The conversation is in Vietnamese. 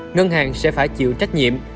ngân hàng sẽ phải chịu trách nhiệm